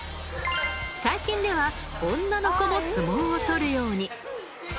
最近では女の子も相撲を取るように。